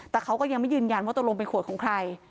แต่เขาก็ยังไม่ยืนยันว่าตกลงเป็นขวดของใคร